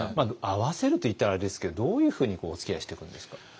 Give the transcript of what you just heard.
合わせると言ったらあれですけどどういうふうにおつきあいしていくんですか？